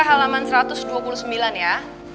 halaman satu ratus dua puluh sembilan ya